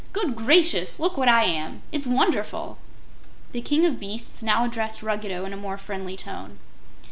"Good gracious, look what I am! It's wonderful!" The King of Beasts now addressed Ruggedo in a more friendly tone.